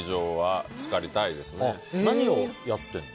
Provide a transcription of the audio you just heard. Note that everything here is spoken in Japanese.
何をやってるの？